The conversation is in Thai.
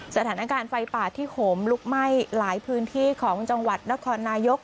สถานการณ์ไฟป่าที่โหมลุกไหม้หลายพื้นที่ของจังหวัดนครนายก